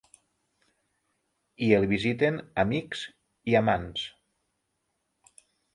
I el visiten amics i amants.